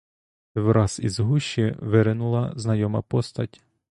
Враз із гущі виринула знайома постать.